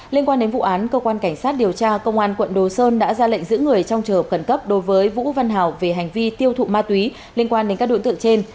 liên quan đến vụ án công an quận đồ sơn đã ra lệnh giữ người trong trợ khẩn cấp đối với vũ văn hảo về hành vi tiêu thụ ma túy liên quan đến các đối tượng trên